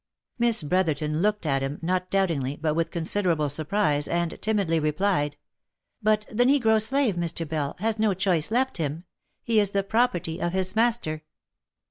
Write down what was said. Miss Brotherton looked at him, not doubtingly, but with consider able surprise, and timidly replied, " But the negro slave, Mr. Bell, has no choice left him — he is the property of his master."